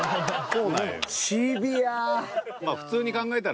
そうやね。